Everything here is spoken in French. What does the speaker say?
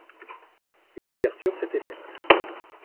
Une ouverture s’était faite.